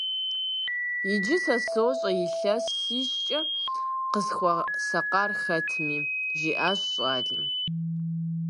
- Иджы сэ сощӀэ илъэсищкӀэ къысхуэсакъар хэтми, - жиӀащ щӀалэм.